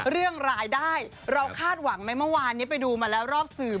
เรื่องรายได้เราคาดหวังไหมเมื่อวานนี้ไปดูมาแล้วรอบสื่อ